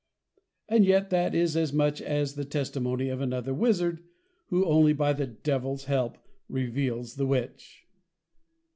And yet, that is as much as the Testimony of another Wizzard, who only by the Devil's help reveals the Witch.